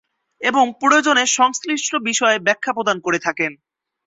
এবং প্রয়োজনে সংশ্লিষ্ট বিষয়ে ব্যাখ্যা প্রদান করে থাকেন।